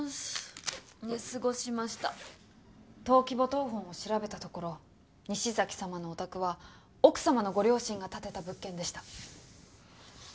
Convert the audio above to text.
登記簿謄本を調べたところ西崎様のお宅は奥様のご両親が建てた物件でした。